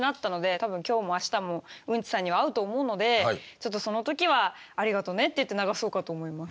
多分今日も明日もウンチさんには会うと思うのでちょっとその時は「ありがとね」って言って流そうかと思います。